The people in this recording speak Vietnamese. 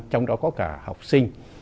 trong đó có cả học sinh